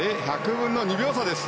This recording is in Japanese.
１００分の２秒差です。